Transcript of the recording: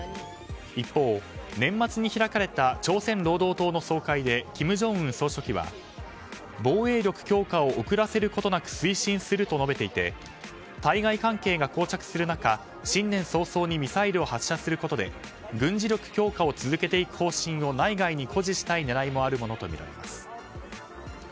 一方、年末に開かれた朝鮮労働党の総会で金正恩総書記は防衛力強化を遅らせることなく推進させると述べていて対外関係が膠着する中新年早々にミサイルを発射することで軍事力強化を続けていく方針を内外に誇示したい狙いもあるものとみられます。